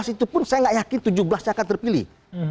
tujuh belas itu pun saya nggak yakin tujuh belas yang akan terpilih